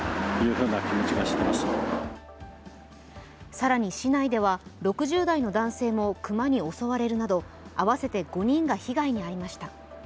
更に市内では、６０代の男性も熊に襲われるなど、合わせて５人が被害に遭いました。